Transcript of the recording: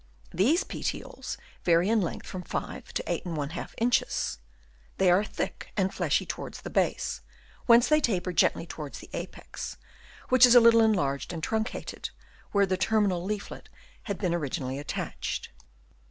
These petioles vary in length from 5 to 8| inches ; they are thick and fleshy towards the base, whence they taper gently towards the apex, which is a little enlarged and truncated where the terminal leaflet had been originally attached.